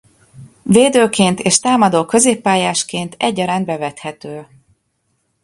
Védőként és támadó középpályásként egyaránt bevethető.